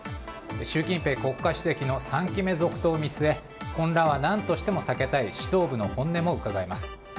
習近平国家主席の３期目続投を見据え混乱は何としても避けたい指導部の本音もうかがえます。